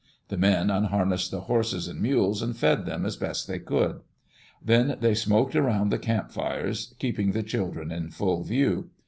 The men unharnessed the horses and mules and fed them as best they could. Then they smoked around the campfires, keep ing the children in full view.